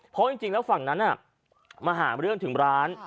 เพราะจริงแล้วฝั่งนั้นมาหาเรื่องถึงร้าน